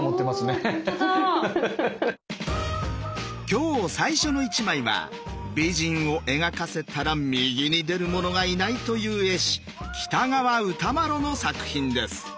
今日最初の１枚は美人を描かせたら右に出る者がいないという絵師喜多川歌麿の作品です。